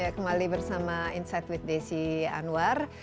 kembali bersama insight with desi anwar